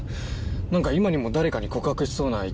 なんか今にも誰かに告白しそうな勢いです。